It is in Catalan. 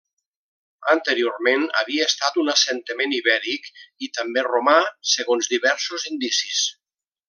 Anteriorment havia estat un assentament ibèric i també romà, segons diversos indicis.